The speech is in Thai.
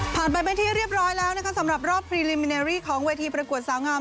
ผ่านไปเป็นที่เรียบร้อยแล้วนะคะสำหรับรอบของเวทีประกวดสาวงาม